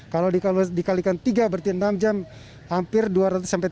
kalau dikalikan tiga berarti enam jam hampir dua ratus sampai tiga puluh